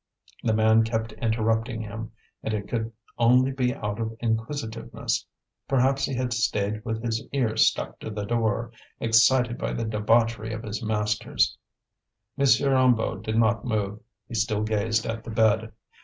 The man kept interrupting him, and it could only be out of inquisitiveness. Perhaps he had stayed with his ear stuck to the door, excited by the debauchery of his masters. M. Hennebeau did not move. He still gazed at the bed.